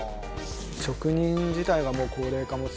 職人自体がもう高齢化も進んできて。